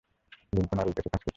Lincoln আর এই কেসে কাজ করছে না।